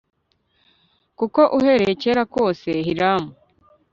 kuko uhereye kera kose Hiramu